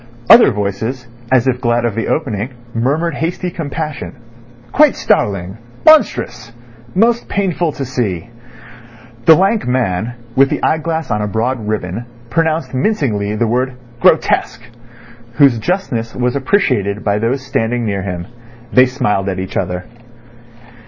Other voices, as if glad of the opening, murmured hasty compassion. "Quite startling," "Monstrous," "Most painful to see." The lank man, with the eyeglass on a broad ribbon, pronounced mincingly the word "Grotesque," whose justness was appreciated by those standing near him. They smiled at each other.